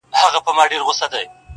د ښار خلکو پیدا کړې مشغولا وه -